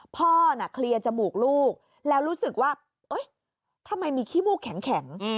พ่อน่ะเคลียร์จมูกลูกแล้วรู้สึกว่าทำไมมีขี้มูกแข็ง